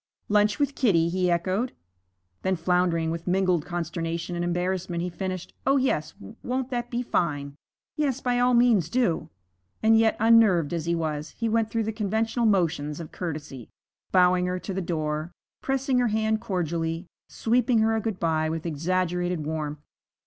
'Lunch with Kitty?' he echoed. Then, floundering with mingled consternation and embarrassment, he finished, 'Oh, yes, won't that be fine! Yes, by all means do!' And yet, unnerved as he was, he went through the conventional motions of courtesy, bowing her to the door, pressing her hand cordially, sweeping her a good bye with exaggerated warmth.